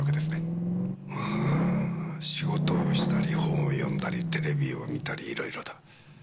まあ仕事をしたり本を読んだりテレビを観たりいろいろだ。